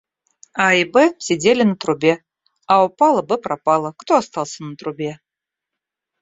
А, И, Б сидели на трубе. А упала, Б пропала. Кто остался на трубе?